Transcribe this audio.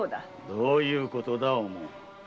どういうことだ。